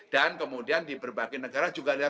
dan kemudian di berbagai negara juga